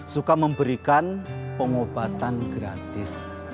suka memberikan pemobatan gratis